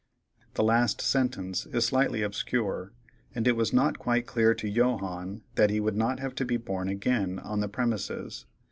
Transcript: The last sentence is slightly obscure, and it was not quite clear to Johannes that he would not have to be "born again" on the premises.